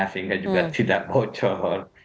sehingga juga tidak bocor